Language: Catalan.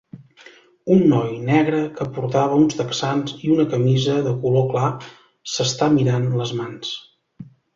Un noi negre que portava uns texans i una camisa de color clar s'està mirant les mans.